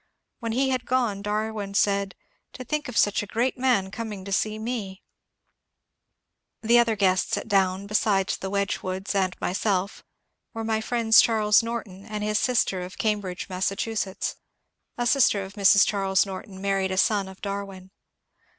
When he had gone Darwin said, " To think of such a great man coming to see me !" The other guests at Down, besides the Wedgwoods and my self, were my friends Charles Norton and his sister of Cam* bridge, Massachusetts. A sister of Mrs. Charles Norton married a son of Darwin.